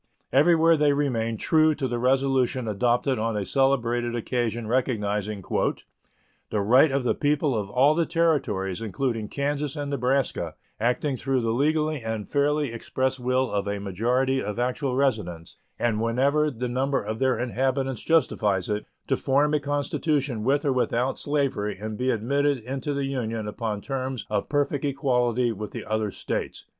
Everywhere they remained true to the resolution adopted on a celebrated occasion recognizing "the right of the people of all the Territories, including Kansas and Nebraska, acting through the legally and fairly expressed will of a majority of actual residents, and whenever the number of their inhabitants justifies it, to form a constitution with or without slavery and be admitted into the Union upon terms of perfect equality with the other States."